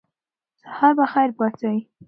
سهار به په خیر پاڅئ.